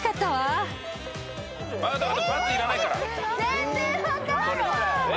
全然分かんない！